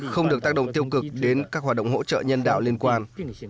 không được tác động tiêu cực đến các hoạt động hỗ trợ nhân đạo liên quan